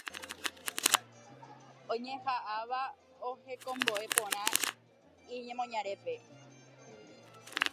oñeha'ãva ohekombo'e porã iñemoñarépe.